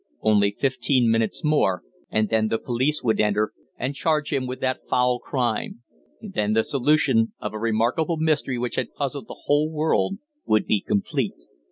Only fifteen minutes more, and then the police would enter and charge him with that foul crime. Then the solution of a remarkable mystery which had puzzled the whole world would be complete.